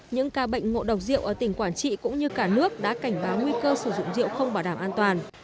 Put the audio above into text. những ca bệnh ngộ độc rượu ở tỉnh quảng trị cũng như cả nước đã cảnh báo nguy cơ sử dụng rượu không bảo đảm an toàn